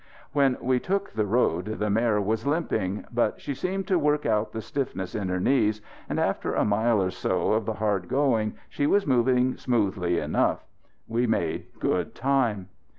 When we took the road the mare was limping. But she seemed to work out the stiffness in her knees and after a mile or so of the hard going she was moving smoothly enough. We made good time.